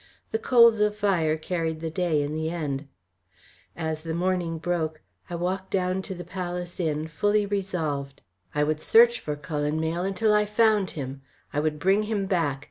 The coals of fire carried the day in the end. As morning broke I walked down to the Palace Inn fully resolved. I would search for Cullen Mayle until I found him. I would bring him back.